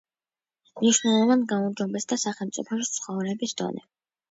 მნიშვნელოვნად გაუმჯობესდა სახელმწიფოში ცხოვრების დონე.